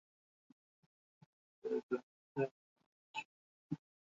বলছিলে এসবের সাথে জড়িত হতে চাও না, তাহলে আসলে কেন?